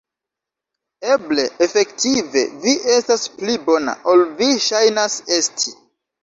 Eble, efektive, vi estas pli bona, ol vi ŝajnas esti.